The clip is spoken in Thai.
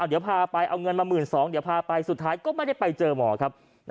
เดี๋ยวพาไปเอาเงินมา๑๒๐๐บาทเดี๋ยวพาไปสุดท้ายก็ไม่ได้ไปเจอหมอครับ